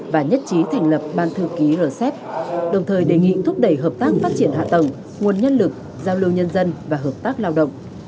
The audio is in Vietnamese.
và nhất trí thành lập ban thư ký rcep đồng thời đề nghị thúc đẩy hợp tác phát triển hạ tầng nguồn nhân lực giao lưu nhân dân và hợp tác lao động